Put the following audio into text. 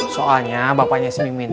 soalnya bapaknya si mimin